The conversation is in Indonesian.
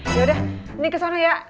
yaudah nik kesana ya